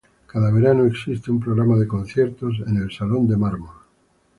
Cada verano, existe un programa de conciertos en el Salón de Mármol.